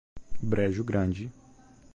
Brejo Grande